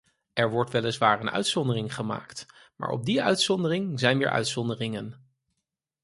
Er wordt weliswaar een uitzondering gemaakt maar op die uitzondering zijn weer uitzonderingen.